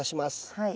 はい。